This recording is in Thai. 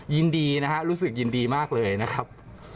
ยินดีนะฮะรู้สึกยินดีมากเลยนะครับ